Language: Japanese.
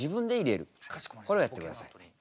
これをやってください。